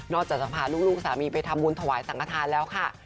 จากจะพาลูกสามีไปทำบุญถวายสังขทานแล้วค่ะ